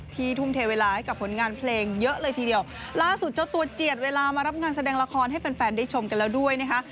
ทุ่มเทเวลาให้กับผลงานเพลงเยอะเลยทีเดียวล่าสุดเจ้าตัวเจียดเวลามารับงานแสดงละครให้แฟนแฟนได้ชมกันแล้วด้วยนะคะ